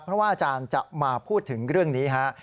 เพราะว่าอาจารย์จะมาพูดถึงเรื่องนี้ฮะ